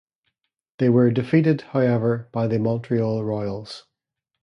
They were defeated, however, by the Montreal Royals.